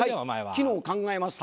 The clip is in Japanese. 昨日考えました。